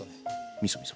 みそみそ。